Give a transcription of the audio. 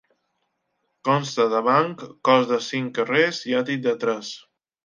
Consta de banc, cos de cinc carrers i àtic de tres.